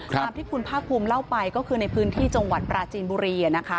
ตามที่คุณภาคภูมิเล่าไปก็คือในพื้นที่จังหวัดปราจีนบุรี